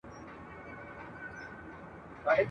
هیري کړي مو نغمې وزرونه وچ دي !.